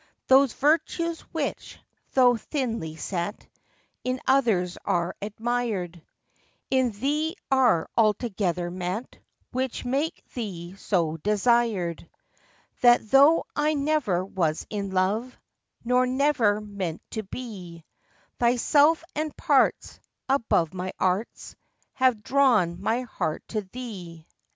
Those virtues which, though thinly set, In others are admired, In thee are altogether met, Which make thee so desired. That though I never was in love, Nor never meant to be, Thyself and parts Above my arts Have drawn my heart to thee.